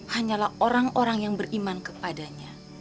hanyalah orang orang yang beriman kepadanya